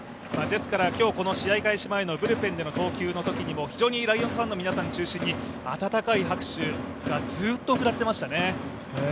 今日、この試合開始前のブルペンでの投球のときも非常にライオンズファンの皆さんを中心に温かい拍手がずっと送られていましたね。